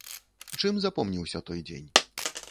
Чым запомніўся той дзень?